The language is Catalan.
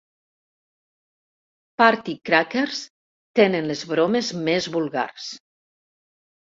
Party Crackers tenen les bromes més vulgars.